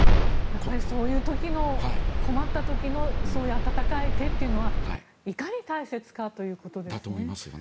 そういう時の、困った時のそういう温かい手というのはいかに大切かということですよね。